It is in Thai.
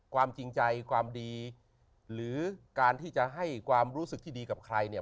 ความจริงใจความดีหรือการที่จะให้ความรู้สึกที่ดีกับใครเนี่ย